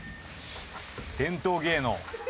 伝統芸能。